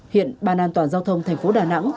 hiện bàn an toàn giao thông tp đà nẵng